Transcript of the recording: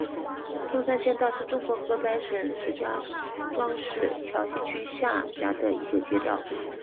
中山街道是中国河北省石家庄市桥西区下辖的一个街道。